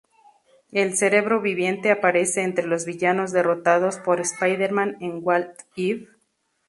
El Cerebro Viviente aparece entre los villanos derrotados por Spider-Man en "What If?